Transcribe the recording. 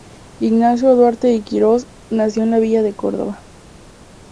Ignacio Duarte y Quirós nació en la villa de Córdoba.